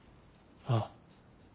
ああ。